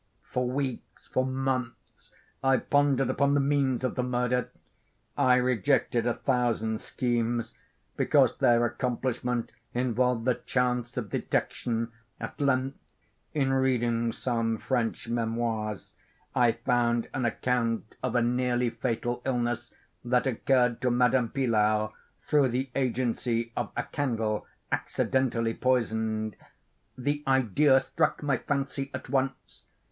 For weeks, for months, I pondered upon the means of the murder. I rejected a thousand schemes, because their accomplishment involved a chance of detection. At length, in reading some French memoirs, I found an account of a nearly fatal illness that occurred to Madame Pilau, through the agency of a candle accidentally poisoned. The idea struck my fancy at once.